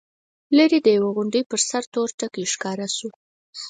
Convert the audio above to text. ليرې د يوې غونډۍ پر سر يو تور ټکی ښکاره شو.